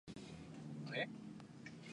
Obtuvo el sobrenombre de "el Justo".